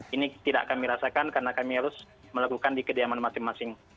ini tidak kami rasakan karena kami harus melakukan di kediaman masing masing